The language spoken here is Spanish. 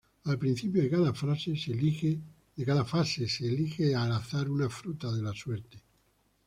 Al principio de cada fase se elige al azar una fruta de la suerte.